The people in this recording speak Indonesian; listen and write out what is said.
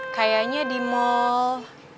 kayaknya di mall